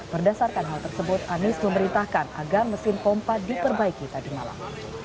berdasarkan hal tersebut anies memerintahkan agar mesin pompa diperbaiki tadi malam